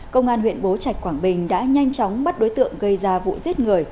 công an huyện bố trạch quảng bình đã nhanh chóng bắt đối tượng gây ra vụ giết người